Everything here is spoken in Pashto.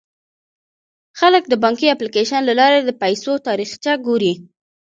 خلک د بانکي اپلیکیشن له لارې د پيسو تاریخچه ګوري.